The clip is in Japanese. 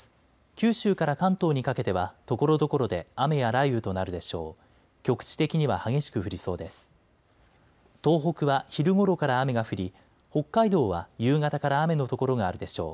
九州から関東にかけてはところどころで雨や雷雨となるでしょう。